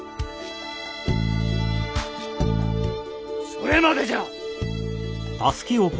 それまでじゃ！